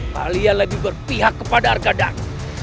kalian lebih berpihak kepada argadang